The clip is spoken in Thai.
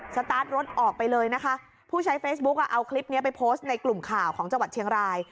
สตาร์ทรถออกไปเลยนะคะผู้ใช้เฟซบุ๊กอ่ะเอาคลิปนี้ไปโพสต์ในกลุ่มข่าวของจังหวัดเชียงราย